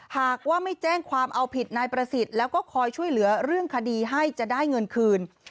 หากว่าไม่แจ้งความเอาผิดนายประสิทธิ์แล้วก็คอยช่วยเหลือเรื่องคดีให้จะได้เงินคืน